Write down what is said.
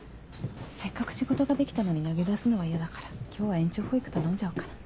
せっかく仕事ができたのに投げ出すのは嫌だから今日は延長保育頼んじゃおうかな。